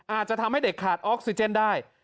อาจจะทำให้เด็กขาดออกซิเจนได้